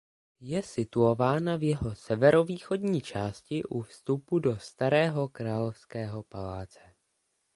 Je situována v jeho severovýchodní části u vstupu do Starého královského paláce.